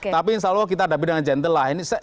tapi insya allah kita hadapi dengan gentle lah